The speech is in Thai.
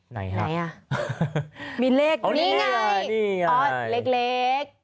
ไหนฮะมีเลขนี่ไงอ๋อเล็ก